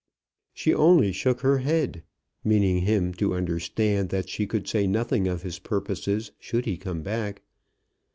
She only shook her head; meaning him to understand that she could say nothing of his purposes should he come back.